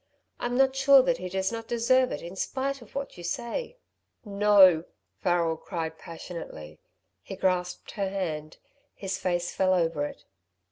I'm not sure that he does not deserve it in spite of what you say." "No!" Farrel cried, passionately. He grasped her hand. His face fell over it.